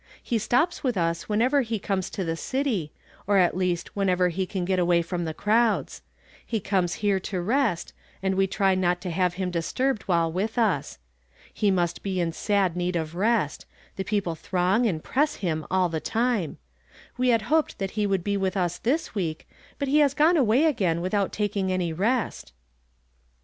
He stops with us whenever he comes to the city, or at least when ever he can get away from the crowds ; he comes here to rest, and we try not to have him disturbed while with us. He must be in sad need of rest; tlie people throng and press him all the time. We had hoped that he would be with us this week, but he has gone away again without taking any rest."